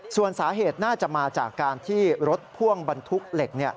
ส่วนสาเหตุน่าจะมาจากการที่รถพ่วงบรรทุกเหล็ก